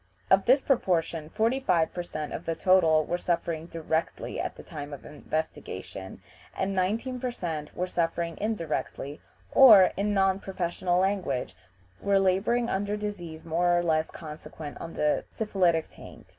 Of this proportion 45 per cent. of the total were suffering directly at the time of investigation, and 19 per cent. were suffering indirectly, or, in non professional language, were laboring under diseases more or less consequent on the syphilitic taint.